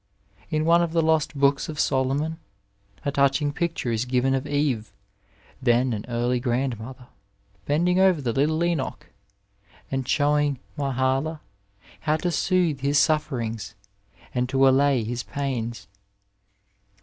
In one of the lost books of Solomon, a touching picture is given of Eve, then an early grandmother, bending over the little Enoch, and showing Mahala how to soothe his sufferings and to allay his pains.